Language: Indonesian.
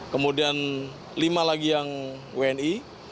kemudian lima lagi yang wni